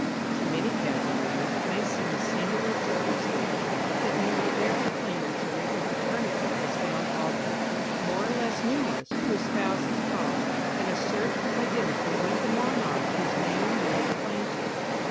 To many casual readers it may seem a singular circumstance that nearly every claimant to regal paternity has found authors, more or less numerous, to espouse his cause, and assert his identity with the monarch whose name he laid claim to.